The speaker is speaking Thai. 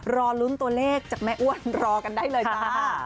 รอลุ้นตัวเลขจากแม่อ้วนรอกันได้เลยจ้า